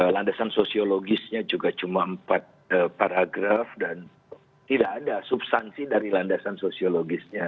landasan sosiologisnya juga cuma empat paragraf dan tidak ada substansi dari landasan sosiologisnya